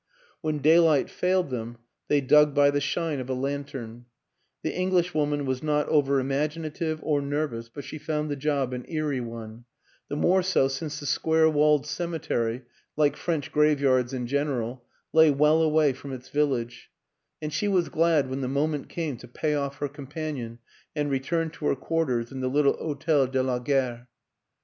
When daylight failed them they dug by the shine of a lantern ; the Englishwoman was not over imagina tive or nervous but she found the job an eerie one the more so since the square walled cemetery, like French graveyards in general, lay well away from its village and she was glad when the mo ment came to pay off her companion and return to her quarters in the little Hotel de la Gare.